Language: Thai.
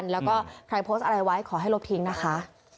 แล้วก็ใครโพสต์อะไรไว้ขอให้ลบทิ้งนะคะ